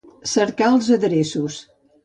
Cercar els adreços.